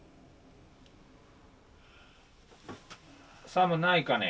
寒ないかね。